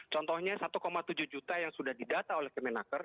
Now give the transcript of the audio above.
contohnya satu tujuh juta yang sudah didata oleh kemenaker